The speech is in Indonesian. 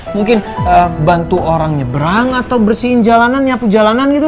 mungkin bantu orang nyebrang atau bersihin jalanan nyapu jalanan gitu